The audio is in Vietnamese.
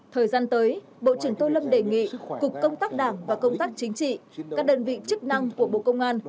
thời gian tới bộ trưởng tô lâm đề nghị cục công tác đảng và công tác chính trị các đơn vị chức năng của bộ công an